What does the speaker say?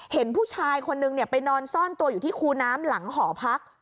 เห็นผู้ชายคนนึงไปนอนซ่อนตัวอยู่ที่คูน้ำหลังหอพัก